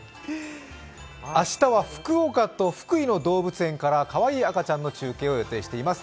明日は福岡と福井の動物園からかわいい動物の赤ちゃんを予定しています。